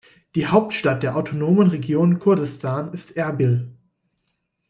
Die Hauptstadt der autonomen Region Kurdistan ist Erbil.